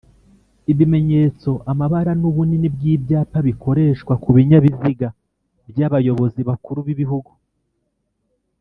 ibimenyetso ,amabara n’ubunini bw’ibyapa bikoreshwa kubinyabiziga by’abayobozi bakuru b’igihugu